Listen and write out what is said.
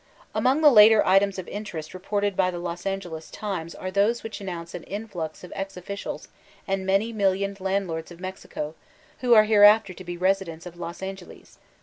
Among the later items of interest reported by the Las Angetes Times are those which announce an influx of ex oflidals and many millioned landlords of Mexico, who are hereafter to be residents of Los Angeles.